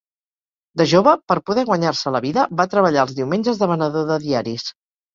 De jove, per poder guanyar-se la vida, va treballar els diumenges de venedor de diaris.